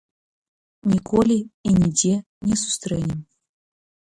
Ніколі і нідзе не сустрэнем.